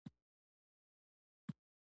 زمری وخشي حیوان دې